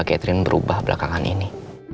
catherine berubah belakangan ini